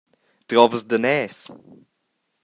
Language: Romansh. Drovas daners?